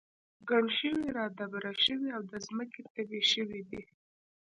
ګڼ شوي را دبره شوي او د ځمکې تبی شوي دي.